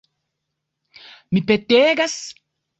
Mi petegas!